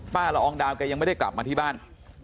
ละอองดาวแกยังไม่ได้กลับมาที่บ้าน